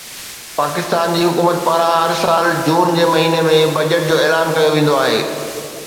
پاڪستان جي حڪومت پاران هر سال جون جي مهيني ۾ بجيٽ جو اعلان ڪيو ويندو آهي